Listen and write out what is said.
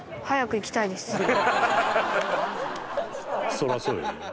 「そりゃそうよ」